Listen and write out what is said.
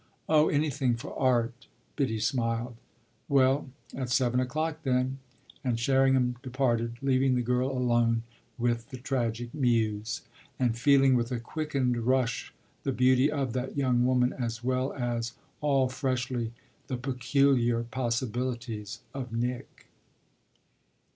"Oh anything for art!" Biddy smiled. "Well, at seven o'clock then." And Sherringham departed, leaving the girl alone with the Tragic Muse and feeling with a quickened rush the beauty of that young woman as well as, all freshly, the peculiar possibilities of Nick.